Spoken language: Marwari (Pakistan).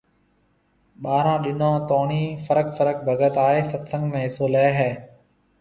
ٻارهون ڏنون توڻِي فرق فرق ڀگت آئيَ ست سنگ ۾ حصو ليَ هيَ